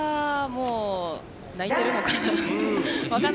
泣いてるのかな。